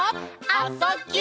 「あ・そ・ぎゅ」